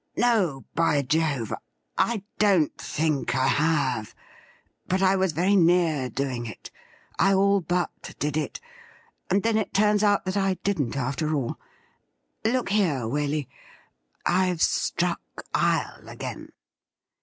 No, by Jove ! I don't think I have, but I was very near doing it — I all but did it ; and then it turns out that I didn't, after all. Look here, Waley: I've struck ile again.'